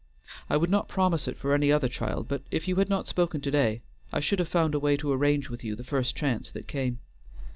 I would not promise it for any other child, but if you had not spoken to day, I should have found a way to arrange with you the first chance that came.